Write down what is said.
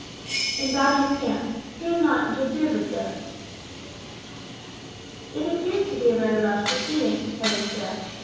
"In Bajee's camp. He is not interfered with, there." "It appears to be a very rash proceeding," Harry said.